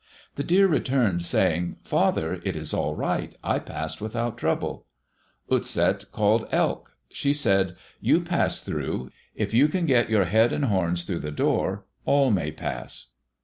The deer returned saying, "Father, it is all right. I passed without trouble." Utset called Elk. She said, "You pass through. If you can get your head and horns through the door, all may pass."